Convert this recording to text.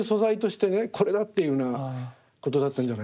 これだっていうふうなことだったんじゃないかと。